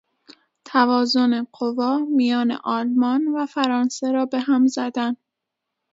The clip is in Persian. توازن قوا میان آلمان و فرانسه را به هم زدن